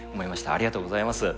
ありがとうございます。